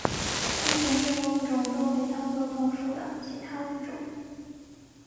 先前这个物种都被当作同属的其他物种。